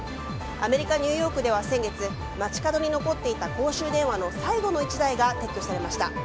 アメリカ・ニューヨークでは先月、街角に残っていた公衆電話の最後の１台が撤去されました。